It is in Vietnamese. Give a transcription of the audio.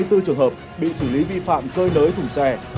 bốn mươi bảy hai trăm hai mươi bốn trường hợp bị xử lý vi phạm cơi nới thủ xe